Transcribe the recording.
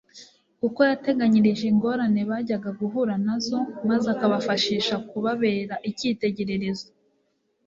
kuko yateganyirije ingorane bajyaga guhura nazo, maze akabafashisha kubabera icyitegererezo.